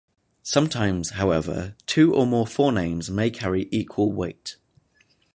Sometimes, however, two or more forenames may carry equal weight.